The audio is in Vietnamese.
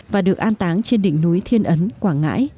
và được an táng trên đỉnh núi thiên ấn quảng ngãi